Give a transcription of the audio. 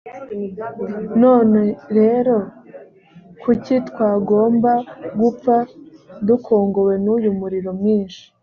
none rero kuki twagomba gupfa dukongowe n’uyu muriro mwinshi?